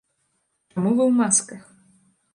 Чаму вы ў масках?